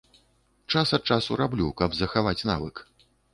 Час ад часу раблю, каб захаваць навык.